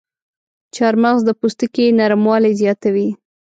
چارمغز د پوستکي نرموالی زیاتوي.